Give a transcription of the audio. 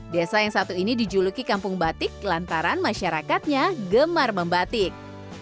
desa yang satu ini dijuluki kampung batik lantaran masyarakatnya gemar membatik